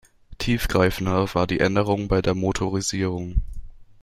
Tiefgreifender war die Änderung bei der Motorisierung.